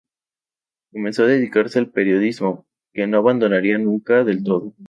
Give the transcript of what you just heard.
Comenzó a dedicarse al periodismo, que no abandonaría nunca del todo.